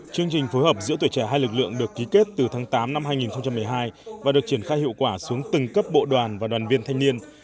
chương trình phối hợp giữa tuổi trẻ hai lực lượng được ký kết từ tháng tám năm hai nghìn một mươi hai và được triển khai hiệu quả xuống từng cấp bộ đoàn và đoàn viên thanh niên